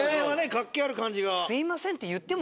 活気ある感じが。